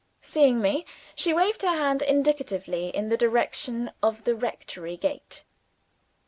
Seeing me, she waved her hand indicatively in the direction of the rectory gate.